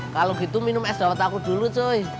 kalau gitu minum es dawet aku dulu coy